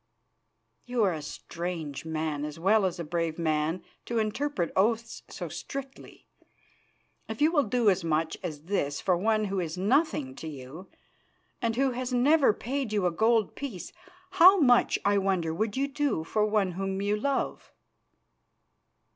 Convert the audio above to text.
"You are a strange man as well as a brave man to interpret oaths so strictly. If you will do as much as this for one who is nothing to you, and who has never paid you a gold piece, how much, I wonder, would you do for one whom you love."